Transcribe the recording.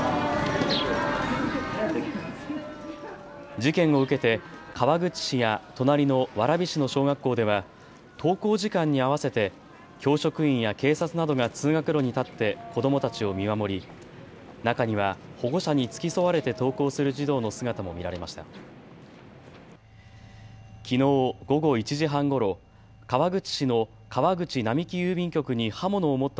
事件を受けて川口市や隣の蕨市の小学校では登校時間に合わせて教職員や警察などが通学路に立って子どもたちを見守り中には保護者に付き添われて登校する児童の姿も見られました。